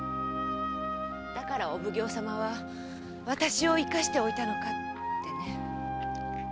だからお奉行様は私を生かしておいたのかってね。